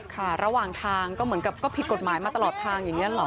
ค่ะระหว่างทางก็เหมือนกับก็ผิดกฎหมายมาตลอดทางอย่างนี้หรอ